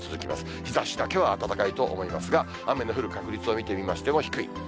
日ざしだけは暖かいと思いますが、雨の降る確率を見てみましても低い。